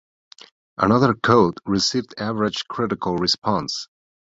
"Another Code" received average critical response.